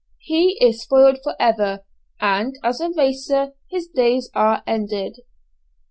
He is spoiled for ever, and as a racer his days are ended.